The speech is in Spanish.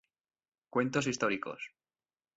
Cuentos históricos.